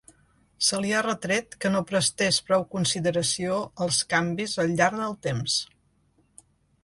Se li ha retret que no prestés prou consideració als canvis al llarg del temps.